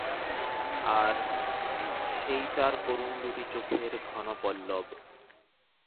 আর, সেই তার করুণ দুটি চোখের ঘন পল্লব।